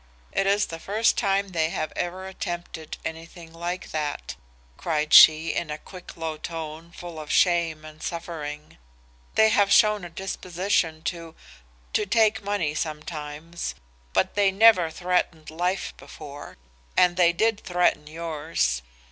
'It is the first time they have ever attempted anything like that,' cried she in a quick low tone full of shame and suffering. 'They have shown a disposition to to take money sometimes, but they never threatened life before. And they did threaten yours.